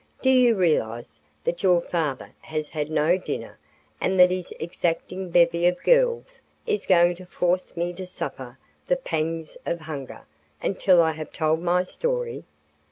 Do you realize that your father has had no dinner and that this exacting bevy of girls is going to force me to suffer the pangs of hunger until I have told my story?"